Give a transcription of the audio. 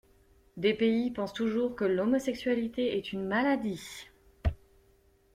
Des pays pensent toujours que l'homosexualité est une maladie.